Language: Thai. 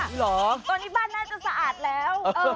เหรอตอนนี้บ้านน่าจะสะอาดแล้ว